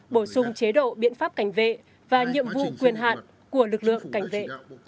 bổ sung chế độ biện pháp cảnh vệ và nhiệm vụ quyền hạn của lực lượng cảnh vệ